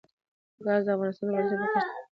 ګاز د افغانستان د ولایاتو په کچه توپیر لري.